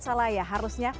salah ya harusnya